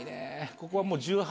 ここはもう。